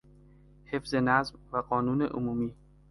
حفظ نظم و قانون عمومی